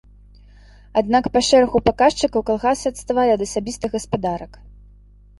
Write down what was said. Аднак па шэрагу паказчыкаў калгасы адставалі ад асабістых гаспадарак.